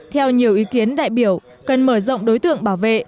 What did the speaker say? theo nhiều ý kiến đại biểu cần mở rộng đối tượng bảo vệ